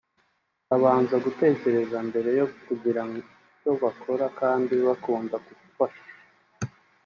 babanza gutekereza mbere yo kugira icyo bakora kandi bakunda gufasha